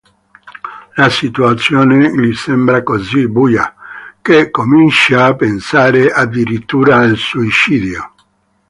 La situazione gli sembra così buia, che comincia a pensare addirittura al suicidio.